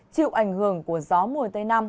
chịu ảnh hưởng của gió mùa tây nam